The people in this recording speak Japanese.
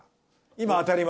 今当たり前。